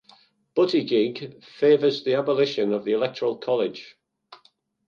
Buttigieg favors the abolition of the Electoral College.